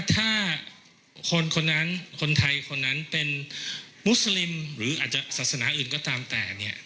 ถ้าคนไทยคนนั้นเป็นมุสลิมหรืออาจจะศาสนาอื่นก็ตามแต่